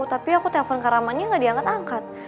tapi aku telepon kak rahman nya gak diangkat angkat